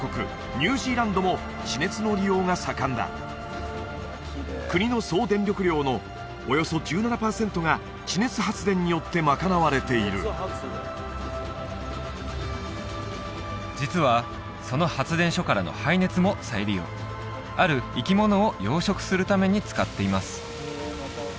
ニュージーランドも地熱の利用が盛んだ国の総電力量のおよそ１７パーセントが地熱発電によって賄われている実はそのある生き物を養殖するために使っています